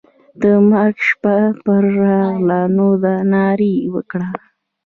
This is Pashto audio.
د مرګ شپه پر راغله نو ناره یې وکړه.